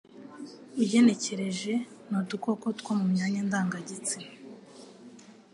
ugenekereje nudukoko two mu myanya ndangagitsina